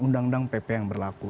undang undang pp yang berlaku